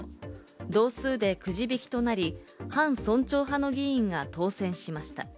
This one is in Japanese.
同数でくじ引きとなり、反村長派の議員が当選しました。